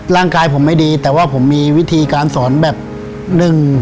ร่างกายผมไม่ดีแต่ว่าผมมีวิธีการสอนแบบหนึ่ง